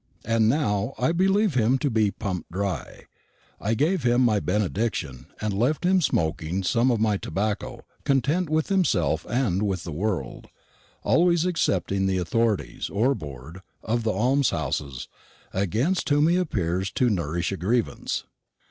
And now I believe him to be pumped dry. I gave him my benediction, and left him smoking some of my tobacco, content with himself and with the world always excepting the authorities, or board, of the almshouses, against whom he appears to nourish a grievance.